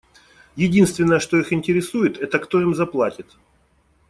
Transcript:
Единственное, что их интересует, — это кто им заплатит.